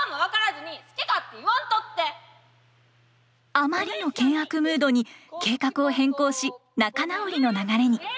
あまりの険悪ムードに計画を変更し仲直りの流れに。